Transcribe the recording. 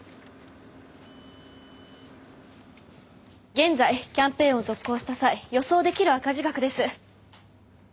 現在キャンペーンを続行した際予想できる赤字額です。